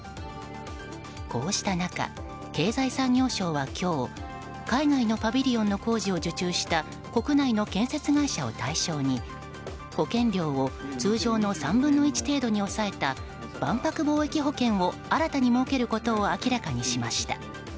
こうした中、経済産業省は今日海外のパビリオンの工事を受注した国内の建設会社を対象に保険料を通常の３分の１程度に抑えた万博貿易保険を新たに設けることを明らかにしました。